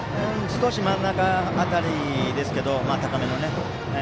少し真ん中辺りですけど高めの。